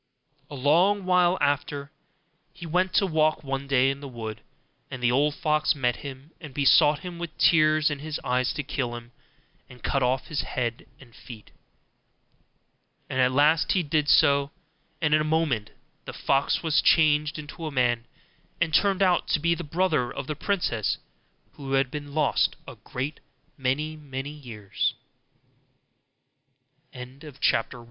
A long while after, he went to walk one day in the wood, and the old fox met him, and besought him with tears in his eyes to kill him, and cut off his head and feet. And at last he did so, and in a moment the fox was changed into a man, and turned out to be the brother of the princess, who had been lost a great man